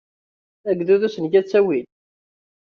Agdud ur as-nga ttawil.